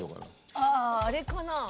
あぁあれかな。